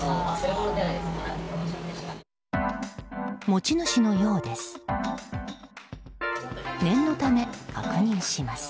持ち主のようです。